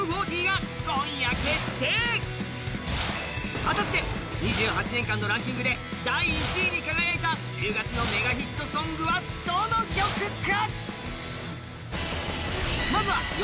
果たして２８年間のランキングで第１位に輝いた１０月のメガヒットソングはどの曲か？